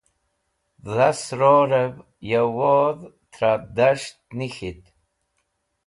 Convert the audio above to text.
Dhas rorẽv ya wodh tra das̃ht nek̃ht.